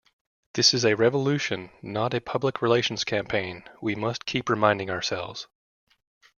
This is a revolution, not a public relations campaign, we must keep reminding ourselves.